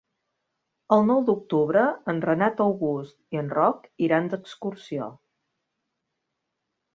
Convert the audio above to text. El nou d'octubre en Renat August i en Roc iran d'excursió.